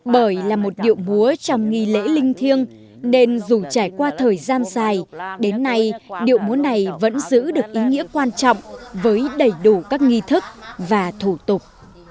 bởi là một điệu múa trong nghi lễ linh thiêng nên dù trải qua thời gian dài đến nay điệu múa này vẫn giữ được ý nghĩa quan trọng với đầy đủ các nghi thức và thủ tục